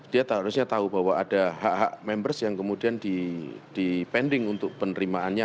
dia seharusnya tahu bahwa ada hak hak members yang kemudian dipending untuk penerimaannya